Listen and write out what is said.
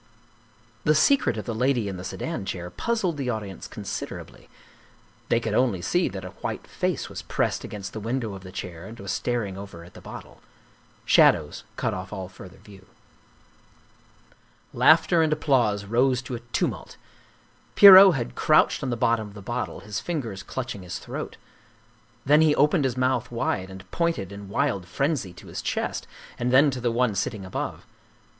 The secret of the Lady in the Sedan Chair puzzled the audience considerably they could only see that a white face was pressed against the window of the chair and was star ing over at the bottle. Shadows cut off all further view. Laughter and applause rose to a tumult. Pierrot had crouched on the bottom of the bottle, his fingers clutching his throat. Then he opened his mouth wide and pointed in wild frenzy to his chest and then to the one sitting above.